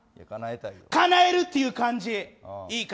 かなえるっていう漢字、いいか。